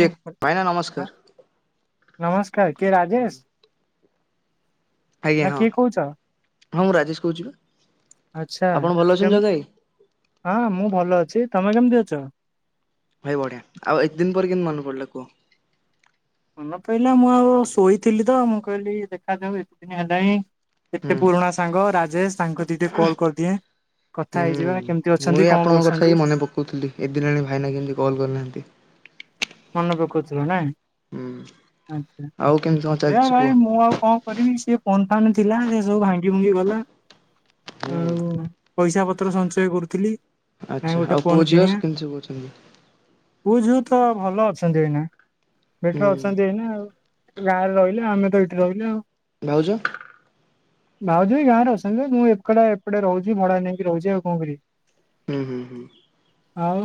Check ଭାଇନା ହ ନମସ୍କାର ନମସ୍କାର କିଏ ରାଜେଶ? ଆଜ୍ଞା ନା ହଁ କିଏ କହୁଛ? ହଁ ମୁଁ ରାଜେଶ କହୁଛି ବା। ଆଚ୍ଛା ଆପଣ ଭଲ ଅଛନ୍ତି କେମ୍ ଜଗା ଭାଇ ହଁ ମୁଁ ଭଲ ଅଛି। ତମେ କେମିତି ଅଛ? ଭାଇ ବଢିଆ। ଆଉ ଏତେ ଦିନ ପରେ କେମତି ମନେ ପଡିଲା କୁହ? ମନ ପଇଲା ମୁଁ ଆଉ-ଉ-ଉ-ଉ ଶୋଇଥିଲି ତ ମୁଁ କହିଲି ଦେଖାଯାଉ ଏତେ ଦିନ ହେଲାଇ ଏତେ ହୁଁ। ପୁରୁଣା ସାଙ୍ଗ ରାଜେଶ ତାଙ୍କ ଦି ଟେ କଲ୍ କରିଦିଏ। କଥା ହୁଁ ହେଇଯିବା କେମିତି ଅଛନ୍ତି କଣ କରହୁଛନ୍ତି? କହୁଥିଲି ଏ ଦିନ୍ ହେଲାଣି ଭାଇନା କେମିତି କଲ୍ କରିନାହାନ୍ତି। ମନେ ପକଉଥିଲ ନା, ହୁଁ ଆଛା ଆଉ କେମିତି କଣ ହେ ଚାଲିଛି କୁହ? ଭାଇ ମୁଁ ଆଉ କଣ କରିବି ସିଏ ପୋନ ଫାନ୍ ଥିଲା ସେ ସବୁ ଭାଙ୍ଗି ଭୁଙ୍ଗି ଗଲା। ହୁଁ ଆ-ଆ-ଉ ପଇସା ପତ୍ର ସଞ୍ଚୟ କରୁଥିଲି। ନାଇଁ ଆଚ୍ଛା ଗୋଟେ ଆଉ ଫୋନ ପୁଅ ଝିଅ କିଣିବା ସ କେମିତି ସବୁ ଅଛନ୍ତି? ପୁଅ ଝିଅ ତ ଭଲ ଅଛନ୍ତି ଏଇନା ହୁଁ ବେଟର ଅଛନ୍ତି ଏଇନା ଆଉ। ଗାଁରେ ରହିଲେ ଆମେ ତ ଏଇଠି ରହିଲି ଆଉ। ଭାଉଜ? ଭାଉଜ ଏ ଗାଁ ର ଅଛନ୍ତି ମୁଁ ଏପଟେ ଏପଟେ ରହୁଛି ଭଡା ନେଇକି ରହୁଛି ଆଉ କଣ କରିବି। ହୁଁ ହୁଁ ହୁଁ ଆଉ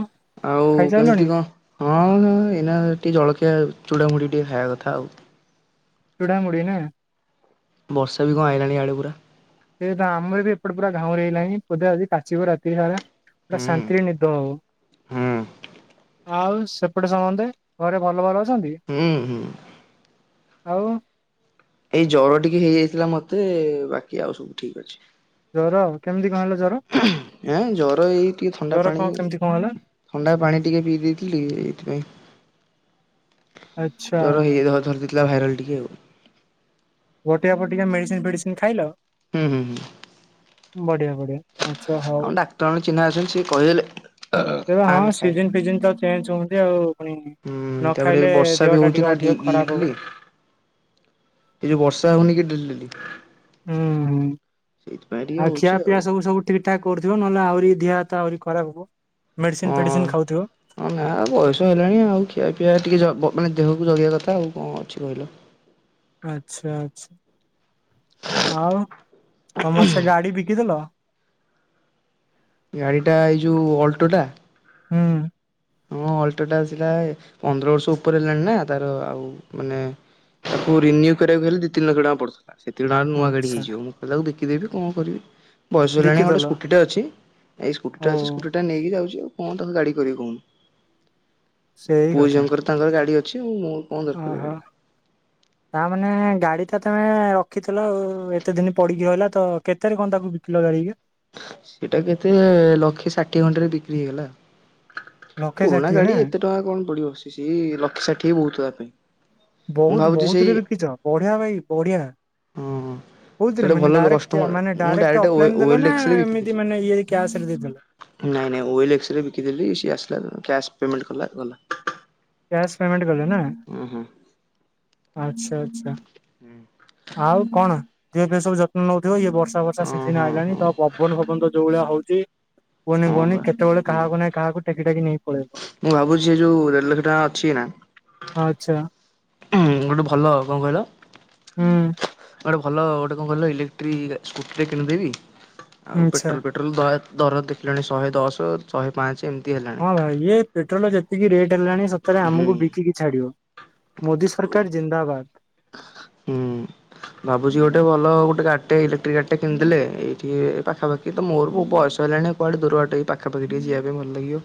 ଆଉ ଖାଇସାରିଲଣି କେମିତି କଣ ହଁ ଏଇନା ଟିକେ ଜଳଖିଆ ଚୁଡ଼ାମୁଢି ଟିକେ ଖାଇବା କଥା ଆଉ। ଚୁଡ଼ାମୁଢ଼ି ନା? ବର୍ଷା ବି କଣ ଆଇଲାଣି ଏଆଡୁ ପୁରା। ସେ ତ ଆମର ବି ଏପଟେ ପୁରା ଘାଉଁରେ ଲାଇ ବୋଧେ ଆଜି କାଚିବ ରାତି ସାରା। ପୁରା ହୁଁ ଶାନ୍ତିରେ ନିଦ ହଉ। ହୁଁ ଆଉ ସେପଟେ ସମସ୍ତେ ଘରେ ଭଲ ଭଲ ଅଛନ୍ତି। ହୁଁ ହୁଁ। ଆଉ ଏଇ ଜର ଟିକେ ହେଇଯାଇଥିଲା ମତେ ବାକି ଆଉ ସବୁ ଠିକ ଅଛି। ଜର କେମିତି କଣ ହେଲା ଜର? ଏଁ ଜର ଏଇ ଟିକେ ଥଣ୍ଡା ଜର ପାଣି କଣ କେମିତି କଣ ହେଲା? ଥଣ୍ଡା ପାଣି ଟିକେ ପିଇ ଦେଇଥିଲ ଟ ଏଇଥିପାଇଁ ଆଚ୍ଛା ଜର ହେଇ ଧରି ଦେଇଥିଲା ଭାଇରାଲ ଟିକେ ଆଉ। ବଟିକା ଫଟିକା ମେଡିସିନ ଫେଡିସିନ ଖାଇଲ। ହୁଁ ହୁଁ ହୁଁ। ବଢିଆ ବଢିଆ। ଆଛା ହଉ ଆମ ଡାକ୍ତର ଜଣେ ଚିହ୍ନା ଅଛନ୍ତି ସିଏ କହିଦେଲେ ହଁ ଆମେ ଖାଇଲୁ। ସିଜନ ଫିଜନ ତ ଚେଞ୍ଜ ହୁନ୍ତି ଆଉ। ପୁଣି ହୁଁ ନ ତାପରେ ଏ ଖାଇଲେ ବର୍ଷା ବି ଦେହଟା ହଉଛି ଟିକେ ନା ଅଧିକ ଖରାପ ହବ। [unintelligible] ଏ ଯୋଉ ବର୍ଷା ହଉନି କି ଡେଲି ଡେଲି ହୁଁ ହୁଁ ସେଇଥିପାଇଁ ଟିକେ ଆଉ ଖିଆ ହଉଛି ପିଆ ସବୁ ସବୁ ଠିକ୍ ଠାକ୍ କରୁଥିବ ନହେଲେ ଆହୁରି ଦିହ ହାତ ଆହୁରି ଖରାପ ହେବ ହଁ। ମେଡ଼ିସିନ ଫେଡ଼ିସିନ ଖାଉଥିବ। ହଁ ନା ଆଉ ବୟସ ହେଲାଣି ଆଉ ଖିଆ ପିଆ ଟିକେ ମାନେ ଦେହକୁ ଜଗିବା କଥା ଆଉ କଣ ଅଛି କହିଲ। ଆଛା ଆଛା ଆଉ ତମର ସେ ଗାଡି ବିକିଦେଲ। ଗାଡିଟା ଏଇ ଯୋଉ ଅଲ୍ଟୋଟା ହୁଁ। ହଁ ଅଲ୍ଟୋଟା ଆସିଲା ପନ୍ଦର ବର୍ଷ ଉପରେ ହେଲାଣି ନା ତାର ଆଉ ମାନେ ତାକୁ ରେନ୍ୟୁ କରିବାକୁ ହେଲେ ଦି ତିି ଲକ୍ଷ ଟଙ୍କା ପଡୁଥିଲା। ସେତିକିଣା ନୂଆ ଗାଡି ଆଚ୍ଛା ହେଇଯିବ ମୁଁ କହିଲି ତାକୁ ବିକିଦେବି କଣ କରିବି। ବୟସ ହେଲାଣି ଗୋଟେ ବିକିଦେଲ ସ୍କୁଟିଟା ଅଛି ଏଇ ଓ ସ୍କୁଟିଟା ଅଛି ସ୍କୁଟିଟା ନେଇକି ଯାଉଛି ଆଉ କଣ ତାକୁ ଗାଡ଼ି କରିକି କହୁ ସେଇ ପୁଅ ଝିଅଙ୍କର ତାଙ୍କର ଗାଡି ଅଛି ମୁ ଓ ହୋ। ତାମାନେେ ଗାଡି ଟା ତମେ ରଖିଥିଲ ଆଉ ଏତେ ଦିନ ପଡିକି ରହିଲା ତ କେତେରେ କଣ ତାକୁ ବିକିଲ ଗାଡିକି। ସେଟା କେତେ ଲକ୍ଷେ ଷାଠିଏ ଖଣ୍ଡରେ ବିକ୍ରି ହେଇଗଲା। ଲକ୍ଷେ ପୁରୁଣା ଷାଠିଏ ନା ଗାଡି ଏତେ ଟଙ୍କା କଣ ପଡିବ ସେ ସେଇ ଲକ୍ଷେ ସାଠିଏ ବହୁତ ତା ପାଇଁ। ମୁଁ ବହୁତ ଭାବୁଛି ବହୁତ ସେଇ ରେ ବିକିଛ ବଢିଆ ଭାଇ ବଢିଆ। ହଁ କୋଉଥିରେ ସେଇଟା ଭଲ ମାନେ ଡାଇରେକ୍ଟ କଷ୍ଟମର ମାନେ ମୁଁ ଡାଇରେକ୍ଟ ଅଫଲାଇନ ଦେଲ ଓଏଲ ନା ଏକ୍ସରେ ବିକିଦେଲି। ଏମିତି ମାନେ ଇଏ କ୍ୟାସରେ ଦେଇଥିଲ। ନାଇଁ ନାଇଁ ଓଏଲ୍ ଏକ୍ସରେ ବିକିଦେଲି ସିଏ ଆସିଲା କ୍ୟାସ୍ ପେମେଣ୍ଟ କଲା ଗଲା। କ୍ୟାସ୍ ପେମେଣ୍ଟ କଲେ ନା। ଓ ହୋ। ଆଚ୍ଛା ଆଚ୍ଛା ହୁଁ। ଆଉ କଣ ଦିହ ଫିହ ସବୁ ଯତ୍ନ ନଉଥିବ ଇଏ ବର୍ଷା ବର୍ଷା ହଁ ସିଜିନ ହଁ ଆଇଲାଣି ହଁ ତ ପବନ ଫବନ ଯୋଉଭଳିଆ ହଉଛି କୁହନି ହଁ ବା କୁହନି କେତେବେଳେ ହୁଁ। କାହାକୁ ନାଇଁ କାହାକୁ ଟେକି ଟାକି ନେଇ ପଳେଇବ। ମୁଁ ଭାବୁଛି ଏ ଯୋଉ ଦେଢ ଲକ୍ଷ ଟଙ୍କା ଅଛି ନା। ଆଚ୍ଛା ଗୋଟେ ଭଲ କଣ କହିଲ? ହୁଁ ଗୋଟେ ଭଲ ଗୋଟେ କଣ କିଲ ଇଲେକ୍ଟ୍ରିକ୍ ସ୍କୁଟିରେ କିଣିଦେବି ଆଉ ଆଚ୍ଛା ପେଟ୍ରୋଲ ପ ପେଟ୍ରୋଲ ଦର ଦେଖିଲାଣି ଶହେ ଦଶ ଶହେ ପାଞ୍ଚ ଏମତି। ହଁ ଭାଇ ଇଏ ପେଟ୍ରୋଲର ଯେତିକି ରେଟ୍ ହେଲାଣି ସତରେ ହୁଁ। ଆମକୁ ବିକି ଛାଡିବ ମୋଦି ସରକାର ଜିନ୍ଦାବାଦ। ହୁଁ ଭାବୁଛି ଗୋଟେ ଭଲ ଗୋଟେ ଗାଡି ଇଲେକ୍ଟ୍ରିକ ଗାଡିଟେ କିଣିଦେଲେ ଏଇ ଟିକେ ପାଖାପାଖି ତ ମୋର ବ ବୟସ ହେଲାଣି କୁଆଡେ ଦୂର ବାଟ ଏଇ ପାଖାପାଖି ଟିକେ ଯିବା ପାଇଁ ଭଲ ଲାଗିବ।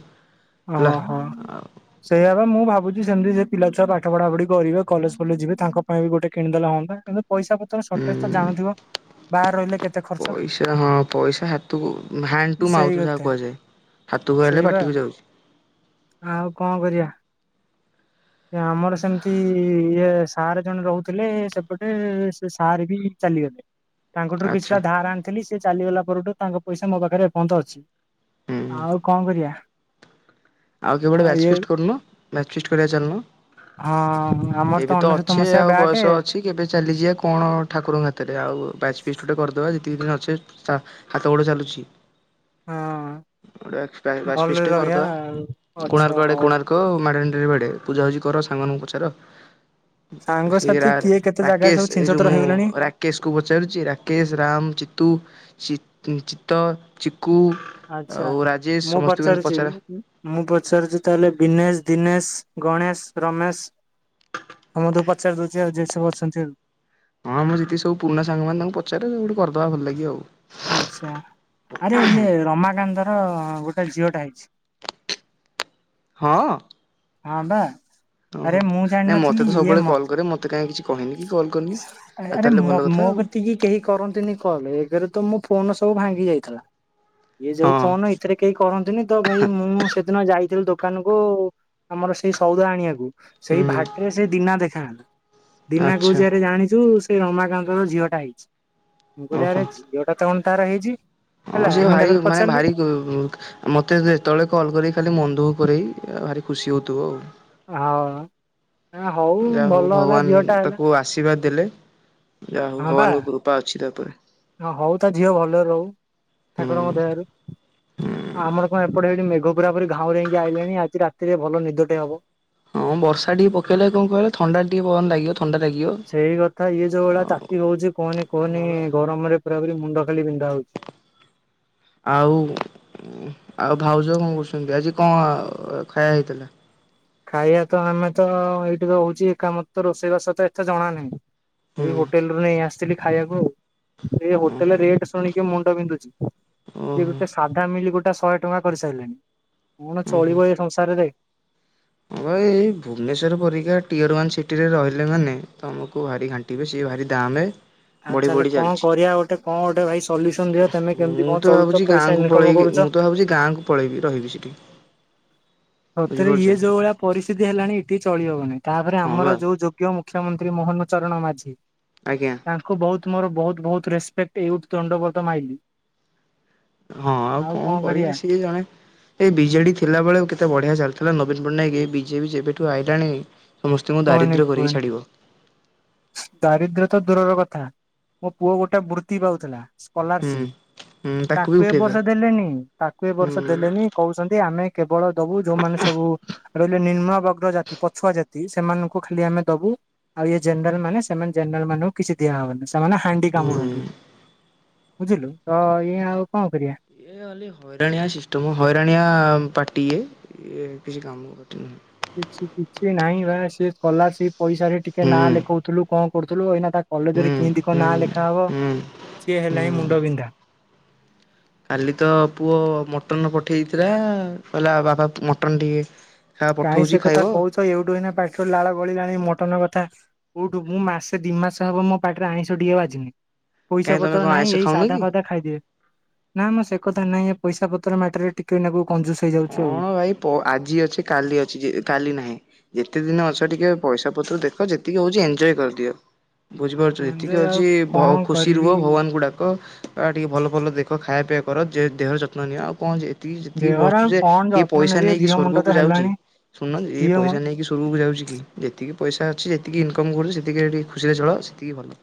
ଅ ହେଲା ହ। ଆଉ ସେଇଆ ମୁଁ ଭାବୁଛି ସେମିତି ସେ ପିଲାଛୁଆ ପାଠ ପଢାପଢି କରିବେ କଲେଜ ଫଲେଜ ଯିବେ ତାଙ୍କ ପାଇଁ ବି ଗୋଟେ କିଣିଦେଲା ହୁଅନ୍ତା। କିନ୍ତୁ ପଇସା ପତ୍ର ସର୍ଟେଜ ତ ହୁଁ। ଜାଣୁଥିବ? ବାହାରେ ରହିଲେ କେତେ ଖର୍ଚ୍ଚ ପଇସା ହଁ ପଇସା ହାତ ହ୍ୟାଣ୍ଡ ଟୁ ସେଇ ମାଉଥ ଯାହା କଥା କୁହାଯାଏ। ହାତକୁ ଆଇଲେ ସେଇ ବା ପାଟିକୁ ଯାଉଛି। ଆଉ କଣ କରିବା? ଆମର ସେମିତି ଇଏ ସାର୍ ଜଣେ ରହୁଥିଲେ ସେପଟେ ସେ ସାର୍ ବି ଚାଲିଗଲେ। ହଁ ତାଙ୍କଠୁ କିଛିଟା ଧାର ଆଣିଥିଲି ସେ ଚାଲିଗଲା ପରଠୁ ତାଙ୍କ ପଇସା ମୋ ପାଖରେ ଏପର୍ଯ୍ୟନ୍ତ ଅଛି। ହୁଁ ହୁଁ ଆଉ କଣ କରିବା? ଆଉ କେବେ ଗୋଟେ ବ୍ୟାଚ ଫିଷ୍ଟ କରୁନ ବ୍ୟାଚ୍ ଫିଷ୍ଟ କରିବା ଚାଲୁନ? ହଁ ଆମର ତ ଅନେଶତ ମସିହା ବ୍ୟାଟ୍। କି କେବେ ଚାଲିଯିବା କ ଣ ଠାକୁରଙ୍କ ହାତରେ ଆଉ ଵ୍ୟାଚ୍ ଫିଷ୍ଟ ଗୋଟେ କରିଦେବା ଯେତିକି ଦିନ ଅଛେ? ହାତ ଗୋଡ ଚାଲୁଛି ହଁ ଗୋଟେ ବ୍ୟାଚ ଭଲରେ ଫିଷ୍ଟ ରହିବା କରିଦବା। ଆଉ ଅଛ କୋଣାର୍କ ଆଡେ ହଉ କୋଣାର୍କ ମାରିନ ଡ୍ରାଇଭ୍ ଆଡେ ବୁଝାବୁଝି କର ସାଙ୍ଗମାନଙ୍କୁ ପଚାର ସେ ସାଙ୍ଗସାଥି କିଏ କେତେ ଜାଗାରେ ସବୁ ରାକେଶ ଏ ଯୋଉ ଛିିନଛତ୍ର ମୁଁ ହେଇଗଲେଣି ରା ରାକେଶକୁ ପଚାରୁଛି ରାକେଶ ରାମ ଚିତୁ ଚିତ୍ ଚିକୁ ଆଚ୍ଛା ଆଉ ରାଜେଶ ମୁଁ ସମସ୍ତଙ୍କୁ ଏମିତି ପଚାରୁଛି ପଚାର ବି ମୁଁ ପଚାରୁଛି ତାହେଲେ ବିନେଶ ଦିନେଶ ଗଣେଶ ରମେଶ ସମସ୍ତଙ୍କୁ ପଚାରିଦଉଛି ଆଉ ଯେ ସବୁ ଅଛନ୍ତି ଆଉ ହଁ ମ ଯେତିିକି ପୁରୁଣା ସାଙ୍ଗମାନେ ତାଙ୍କୁ ପଚାରେ ସବୁ କରିଦବା ଭଲ ଲାଗିବ ଆଉ ଆଚ୍ଛା ଆରେ ଇଏ ରମାକାନ୍ତର ଗୋଟେ ଝିଅଟା ହେଇଛି। ହଁ। ହଁ ବା। ଆରେ ଓହୋ ମୁଁ ନାଇଁ ମତେ ଜାଣିନଥିଲି ତ ଇଏ ସବୁବେଳେ କଲ୍ କରେ ମତେ କାହିଁ କିଛି କହିନି କି କଲ୍ କରିନି। ମତେ ଆଉ ଆରେ ତାହେଲେ ଭଲ କଥା ମୋ ଆଉ କତିକି କେହି କରନ୍ତିନି କଲ ଏକରେ ତ ମୋ ଫୋନ ସବୁ ଭାଙ୍ଗି ଯାଇଥିଲା। ଇଏ ଯୋଉ ହଁ ଫୋନ ଏଥିରେ କେହି କରନ୍ତିନି ତ ଭାଇ ମୁଁ ସେଦିନ ଯାଇଥିଲି ଦୋକାନ କୁ ଆମର ସେଇ ସଉଦା ଆଣିବାକୁ ସେଇ ହୁଁ ଭାଟରେ ସେ ଦିନା ଦେଖାହେଲା। ଦିନା ଆଚ୍ଛା କହୁଛି ଆରେ ଜାଣିଛୁ ସେ ରମାକାନ୍ତର ଝିଅଟା ହେଇଛି। ମୁଁ ଓହୋ। ଆରେ କହିଲି ଝିଅଟା ତା ମାନେ ତାର ହେଇଛି। ହଁ ହେଲା ସେ ମୁଁ ଭାରି ତାକୁ ମାନେ ପଚାରିଲି ଭାରି ମତେ ଯେତେବେଳେ କଲ୍ କରି ଖାଲି ମନଦୁଖ କରେ ଭାରି ଖୁସି ହଉଥିବ ଆଉ ହଁ, ହଉ ଭଲ ହେଲା ଝିଅଟା ହେଲା। ଆଉ ଆଶୀର୍ବାଦ ଦେଲେ ଯାହା ହଉ ବା ଭଗବାନଙ୍କ କୃପା ଅଛି ତା ଉପରେ। ହଁ ହଉ ତା ଝିଅ ଭଲରେ ରହୁ ହୁଁ ଠାକୁରଙ୍କ ଦୟାରୁ। ଆମର କଣ ଏପଟେ ହେଇଟି ମେଘ ପୁରା ପୁରି ଘାଉଁରେଇକି ଆଇିଲାଣି ଆଜି ରାତିରେ ଭଲ ନିଦଟେ ହବ। ହଁ ବର୍ଷା ଟିକେ ପକେଇଲେ କଣ କହିଲ ଥଣ୍ଡା ଟିକେ ପବନ ଲାଗିବ ଥଣ୍ଡା ଲାଗିବ। ସେଇ କଥା ଇଏ ଯୋଉ ଭଳିଆ ତାତି ହଉଛି କୁହନି କୁହନି ହଁ ବା ଗରମରେ ପୁରାପରି ମୁଣ୍ଡ ଖାଲି ବିନ୍ଧା ହଉଛି। ଆଉ ଆଉ ଭାଉଜ କଣ କରୁଛନ୍ତି ଆଜି କଣ ଖାଇବା ହେଇଥିଲା? ଖାଇବା ତ ଆମେ ତ ଏଇଠି ରହୁଛି ଏକା ମତେ ତ ରୋଷେଇବାସ ଏତେ ଜଣା ନାହିଁ। ଏଇ ହୁଁ ହୋଟେଲରୁ ନେଇ ଆସିଥିଲି ଖାଇବାକୁ ଏଇ ଓହୋ ହୋଟେଲ ରେଟ ସୁ ଶୁଣିକି ମୁଣ୍ଡ ବିନ୍ଧୁଛି ଯେଏ ଓହୋ ଗୋଟେ ସାଧା ମିଲ୍ ଗୋଟେ ଶହେ ଟଙ୍କା କରିସାରିଲେଣି। କଣ ଓହୋ। ଚଳିବ ଏ ସଂସାରରେ। ହଁ ଭାଇ ଏ ଭୁବନେଶ୍ୱର ପରିକା ଟିଅରୱାନ ସିଟିରେ ରହିଲେ ମାନେ ତମକୁ ଭାରି ଘା ଣ୍ଟିବେ ସିଏ ଭାରି ଦାମେ ଆଉ ବଢ଼ି ତାହଲେ ବଢ଼ି କଣ ଚାଲିଛି। କରିବା ଗୋଟେ କଣ ଗୋଟେ ଭାଇ ସଲ୍ୟୁସନ ଦେ ତମେ କେମିତି ମୁଁ ତ କଣ ଭାବୁଛି ଚଳୁଛ ପଇସା ଗାଁକୁ ଇନକମ ପଳେଇକି କରୁଛ? ମୁଁ ଭାବୁଛି ଗାଁ କୁ ପଳେଇବି ରହିବି ସେଠି। ସତରେ ବୁଝିପାରୁଛ। ଇଏ ଯୋଉ ଭଳିଆ ପରିସ୍ଥିତି ହେଲାଣି ଏଠି ଚଳି ହବନି ତାପରେ ହଁ ବା ଆମର ଯୋଉ ଯୋ ଗ୍ୟ ମୁଖ୍ୟମନ୍ତ୍ରୀ ମୋହନ ଚରଣ ମାଝୀ। ଆଜ୍ଞା। ତାଙ୍କୁ ବହୁତ ମୋର ବହୁତ ବହୁତ ରେପେକ୍ଟ ଏଇଥୁ ଦଣ୍ଡବତ ମାଇଲିି। ହଁ ଆଉ କଣ କରିବେ କରିବା ସିଏ ଜଣେ ଏ ବିଜେଡ଼ି ଥିଲାବେଳେ କେତେ ବଢ଼ିଆ ଚାଲିଥିଲା ନବୀନ ପଟ୍ଟନାୟକ ଏ ବିଜେପି ଯେବେଠୁ ଆଇଲାଣି ସମସ୍ତଙ୍କୁ କୁହନି, ଦାରିଦ୍ର୍ୟ କରିକି କୁହନି। ଛାଡିବ ଦାରିଦ୍ର୍ୟ ତ ଦୂରର କଥା ମୋ ପୁଅ ଗୋଟେ ବୃତ୍ତି ପାଉଥିଲା ହୁଁ ସ୍କଲାରସିପ ହୁଁ ବି ତାକୁ ଏ ଉଠେଇଦେଲା ବର୍ଷ ଦେଲେନି। ତାକୁ ଏ ହୁଁ ବର୍ଷ ଦେଲେନି କହୁଛନ୍ତି ଆମେ କେବଳ ଦବୁ ଯୋଉମାନେ ସବୁ ରହିଲେ ନିମ୍ନବର୍ଗ ଜାତି ପଛୁଆ ଜାତି। ସେମାନଙ୍କୁ ଖାଲି ଆମେ ଦବୁ ଆଉ ଇଏ ଜେନେରାଲ ମାନେ ସେମାନେ ଜେନେରାଲ ମାନଙ୍କୁ କିଛି ଦିଆହେବନି। ତାମାନେ ହାଣ୍ଡି ହୁଁ। କାମୁଡ଼ନ୍ତୁ ବୁଝିଲୁ ତ ଇଏ ଆଉ କଣ କରିବା। ଏ ଓନଲି ହଇରାଣିଆ ସିଷ୍ଟମ୍ ହଇରାଣିଆ ପାର୍ଟି ଇଏ ଇଏ କିଛି କାମର ପାର୍ଟି ନୁହଁ। କିଛି କିଛି ନାଇଁ ବା ସିଏ ସ୍କଲାରସିପ ପାଇସାରେ ଟିକେ ନାଁ ହୁଁ ଲେଖଉଥିଲୁ କଣ କରୁଥିଲୁ ଅଇନା ତା କଲେଜରେ ହୁଁ କେଇନ୍ତି କଣ ହୁଁ ନାଁ ଲେଖା ହବ ହୁଁ ସିଏ ହେଲାଣିି ହୁଁ। ମୁଣ୍ଡବିନ୍ଧା। କାଲି ତ ପୁଅ ମଟନ ପଠେଇ ଦେଇଥିଲା କହିଲା ବାପା ମଟନ ଟିକେ ଖା କାଇଁ ପଠଉଛି ସେ ଖାଇବ କଥା କହୁଛ ଏଇଠୁ ଏଇନା ପାଟିରୁ ଲାଳ ଗଳିଲାଣି ମଟନ କଥା। କୋଉଠୁ ମୁଁ ମାସେ ଦିଇ ମାସ ହବ ମୋ ପାଟିରେ ଆଇଁଷ ଟିକେ ବାଜିନି। ପଇସା କାହିଁ ତମେ ପତ୍ର କଣ ନାହିଁ ଆଇଁଷ ଏଇ ଖାଉନ ସାଧା କି? ଫାଦା ଖାଇଦିଏ। ନା ମ ସେ କଥା ନାଇଁ ହେ ପଇସା ପତ୍ର ମ୍ୟାଟରରେ ଟିକେ ନାକୁ କଂଜୁସ ହେଇଯାଉଛୁ ଆଉ। କଣ ଭାଇ ପ ଆଜି ଅଛି କାଲି ଅଛି ଯେ କାଲି ନାହିଁ। ଯେତେ ଦିନ ଅଛ ଟିକେ ପଇସା ପତ୍ର ଦେଖ ଯେତିକି ହଉଛି ଏଞୟ କରିଦିଅ। ବୁଝିପାରୁଛୁ ଯେ ଯେତିକି ଆଉ ଅଛି ଭ କଣ ଖୁସି ରୁହ କରିବି ଭଗବାନଙ୍କୁ ଡ଼ାକ ବା ଟିକେ ଭଲ ଭଲ ଦେଖ ଖାଇବା ପିଇଆ କର ଯେ ଦେହର ଯତ୍ନ ନିଅ ଆଉ କଣ ଯେ ଏତିକି ଯେତିକି ଦେହର ବଶ୍ ଆଉ କଣ କିଏ ଯତ୍ନ ପଇସା ନେବି ନେଇକି ଦିହ ମୁଣ୍ଡ ତ ସ୍ଵର୍ଗକୁ ଯାଉଛି ହେଲାଣି ଶୁଣୁନାହାନ୍ତି ଏଇ ଦିହ ମୁ ପଇସା ନେଇ ନେଇକି ସ୍ୱର୍ଗକୁ ଯାଉଛିକି ଯେତିକି ପଇସା ଅଛି ଯେତିକି ଇନକମ୍ କରୁଛି ସେତିକିରେ ଟିକେ ଖୁସିରେ ଚଳ ସେତିକି ଭଲ।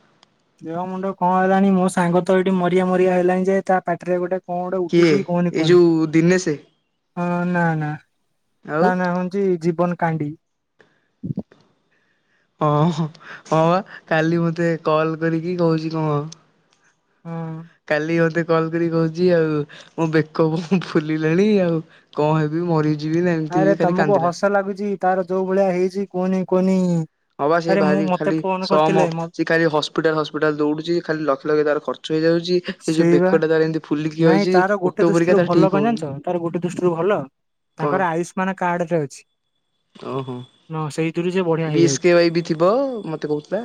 ଦେହ ମୁଣ୍ଡ କଣ ହେଲାଣି ମୋ ସାଙ୍ଗ ତ ଏଇଠି ମରିଆ ମରିଆ ହେଲାଣି ଯେ ତା ପାଟିରେ ଗୋଟେ କଣ ଗୋଟେ କିଏ ଉଠିଛି କୁହନି ଏଇ କୁହନି ଯୋଉ ଦିନେଶେ ହଁ ନା ନା ଆଉ ତା ନା ମାନ୍ ଯେ ଜୀବନ କାଣ୍ଡି ହଁ ହଁ ହଁ ବା କାଲି ମତେ କଲ କରିକି କହୁଛି କଣ ହଁ। କାଲି ମତେ କଲ କରିକି କହୁଛି ଆଉ ମୋ ବେକ କଣ ଫୁଲିଲାଣି ଆଉ କଣ ହେବି ମରି ଆରେ ତମକୁ ହସ ଲାଗୁଛି ତାର ଯୋଉ ଭଳିଆ ହେଇଛି କୁହନି କୁହନି। ହଁ ବା ସେଇ ଆରେ ମୁଁ ଭାରି ମତେ ଖାଲି ଫୋନ ସମ କରିଥିଲେ ଚିକ ଖାଲି ହସ୍ପିଟାଲ ହସ୍ପିଟାଲ ଦୌଉଡୁଚି ଖାଲି ଲକ୍ଷ ଲକ୍ଷ ତାର ଖର୍ଚ୍ଚ ହେଇଯାଉଚି ସେଇ ବା ନାଇଁ ତାର ଓଟ ଗୋଟେ ପରିକା ଦୃଷ୍ଟିରୁ ତାର ଭଲ ଠିକ କଣ ହଉନି ଜାଣିଛ ତାର ଗୋଟେ ଦୃଷ୍ଟିରୁ ଭଲ କଣ ତାଙ୍କର ଆୟୁଷ୍ମାନ କାର୍ଡରେ ଅଛି। ଓହୋ ହଁ ସେଇଥିରୁ ସେ ବଢିଆ ବି ଏସ୍ ହେଇଯାଉଛି କେ ୱାଇ ବି ଥିବ ମତେ କହୁଥିଲା।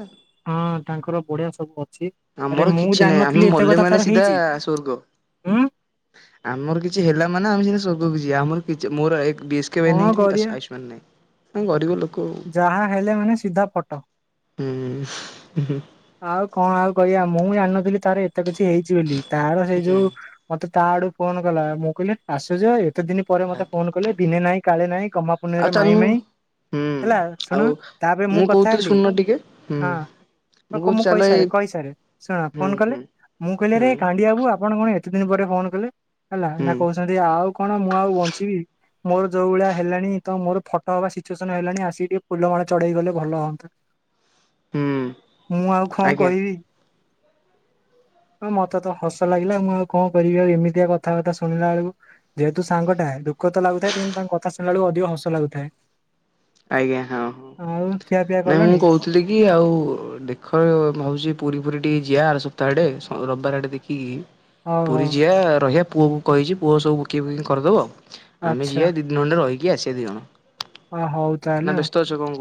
ହଁ ତାଙ୍କର ବଢିଆ ସବୁ ଅଛି ଆରେ ଆମର ମୁଁ କିଛି ନାହିଁ ଆମେ ଜାଣିନଥିଲି ଏତେ ମଲେ କଥା ମାନେ ତାର ସିଧା ହେଇଛି ସ୍ବର୍ଗ ହୁଁ ଆମର କିଛି ହେଲା ମାନେ ଆମେ [unintelligible] ସ୍ୱର୍ଗକୁ ଜିଆ ଆମର କିଛି ମୋର ଏକ ବି ଏସ କେ ୱାଈ କଣ ନାହିଁ କି ଆଶ୍ କରିବା ଆୟୁଷ୍ମାନ ନାଇଁ ମୁଁ ଗରିବ ଲୋକ ଆଉ। ଯାହା ହେଲେ ମାନେ ସିଧା ଫଟ। ହୁଁ ହୁଁ ହୁଁ। ଆଉ କଣ ଆଉ କହିବା ମୁଁ ଜାଣିନଥିଲି ତାର ଏତେ କିଛି ହେଇଛି ବୋଲି ତାର ସେଇ ଯୋଉ ମତେ ତା ଆଡୁ ଫୋନ କଲା ମୁଁ କହିଲି ଆସୁଛ ଭାଇ? କେତେ ଦିନି ପରେ ମତେ ଭାଗ୍ୟ ଫୋନ କଲେ ଦିନେ ନାହିଁ କାଳେ ନାହିଁ ଗମହା ପୁନେଇଁ ଆଉ ରେ ନାଇଁ ଚାଲୁନୁ ନାଇଁ। ହୁଁ ହେଲା ଶୁଣ ଆଉ ତାପରେ ମୁଁ କଥା କହୁଥିଲି ହେଲି ଶୁଣୁନ ଟିକେ ହୁଁ ହଁ। ତାକୁ କହୁଛି ମୁଁ ଚାଲ ଏଇ କହିସାରେ କହିସାରେ ଶୁଣ ହୁଁ ଫୋନ କଲେ ହୁଁ ମୁଁ କହିଲି ଆରେ ହୁଁ କାଣ୍ଡିଆବୁ ଆପଣ କଣ ଏତ ତେ ଦିନି ପରେ ଫୋନ କଲେ ହେଲା ହୁଁ ନା କହୁ ଛନ୍ତି ଆଉ କଣ ମୁଁ ଆଉ ବଞ୍ଚିବି ମୋର ଯୋଉ ଭଳିଆ ହେଲାଣି ତ ମୋର ଫଟୋ ହବା ସିଚୁଏସନ ହେଲା ଆସିକି ଟିକେ ଫୁଲମାଳ ଚଢେଇକି ଗଲେ ଭଲହଅନ୍ତା। ହୁଁ ମୁଁ ଆଉ କଣ ଆଜ୍ଞା କହିବି। ହଁ ମତେ ତ ହସ ଲାଗିଲା ମୁଁ ଆଉ କଣ କରିବି ଆଉ ଏମିତିଆ କଥାବାର୍ତ୍ତା ଶୁଣିଲା ବେଳକୁ ଯେହେତୁ ସାଙ୍ଗଠଟା ଦୁଃଖ ତ ଲାଗୁଥାଏ କିନ୍ତୁ ତାଙ୍କ କଥା ଶୁଣିଲା ବେଳକୁ ଅଧିକ ହସ ଲାଗୁଥାଏ। ଆଜ୍ଞା ହଁ। ହଁ ଆଉ ଖିଆପିଆ କଲଣି? [unintelligible] କି ଆଉ ଦେଖ ଓ ମୁଁ ଭାବଛି ପୁରୀ ଫୁରୀ ଟିକେ ଯିଆ ଆର ସପ୍ତାହ ଆଡେ ରବିବାର ଆଡେ ଦେଖିକି। ହଉ ପୁରୀ ହଉ ଯିିବା ରହିବା ପୁଅକୁ କହିଚି ପୁଅ ସବୁ ବୁକିଙ୍ଗ୍ ଫୁକିଙ୍ଗ୍ କରିଦବ। ଆଉ ଆମେ ଆଚ୍ଛା ଯିିବା ଦି ଣ୍ଡେ ରହିକି ଆସିବା ଦିଇଜଣ। ଓ ହୋଉ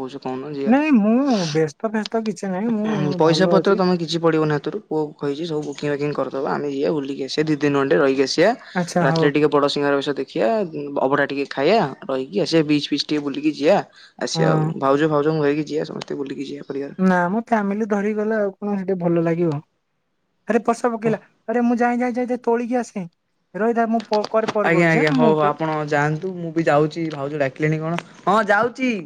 କହୁଛ କହୁନ ଯିବା। ମୁଁ ବ୍ୟସ୍ତ ଫ୍ୟସ୍ତ କିଛି ନାହିଁ ମୁଁ ପଇସା ଭଲ ପତ୍ର ଅଛି। ତମେ କିଛି ପଡ଼ିବନି ହାତରୁ ପୁଅ କହିଚି ବୁିକିଙ୍ଗ୍ ବାକିଙ୍ଗ୍ କରିଦବା ଆମେ ଯିବା ବୁଲିକି ଆସିବା ଦି ଦିନି ଖଣ୍ଡେ ରହିକି ଆସିଆ। ଆଚ୍ଛା ହଉ ରାତିରେ ଟିକେ ବଡ଼ ସିଙ୍ଗାର ବେଷ ଦେଖିବା ଉ ଅଭଡ଼ା ଟିକେ ଖାଇଆ ରହିକି ଆସି ବିଚ୍ ଫିଚ୍ ଟିକେ ବୁଲିକି ଯିଆ। ହଁ ଭାଉଜ ଫାଉଜଙ୍କୁ ଧରିକି ଯିଆ ସମସ୍ତେ ବୁଲିକି ଯିବା [unintelligible] ନା ମ ଫ୍ୟାମିଲି ଧରି ଗଲେ ଆଉ କଣ ସେଠି ଭଲ ଲାଗିବ। ଆରେ ପର୍ସା ପକେଇା ଆରେ ମୁଁ ଯାଏଁ ଯାଏଁ ଯାଏଁ ଯାଏଁ ତୋଳିକି ଆସେ ରଇଥା ମୁଁ ଫୋ ଆଜ୍ଞା ଆଜ୍ଞା ହୋଉ ହୋଉ ଆପଣ ଯାଆନ୍ତୁ। ମୁଁ ବି ଯାଉଚି ଭାଉଜ ଡାକିଲେଣିି କଣ ହଁ ଯାଉଚି।